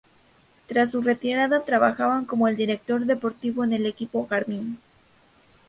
Tras su retirada trabaja como director deportivo en el equipo Garmin.